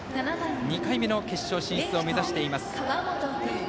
２回目の決勝進出を目指しています。